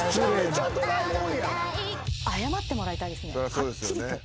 はっきりと。